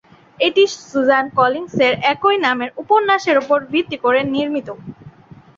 এটি "Suzanne Collins" এর একই নামের উপন্যাস এর ওপর ভিত্তি করে নির্মিত।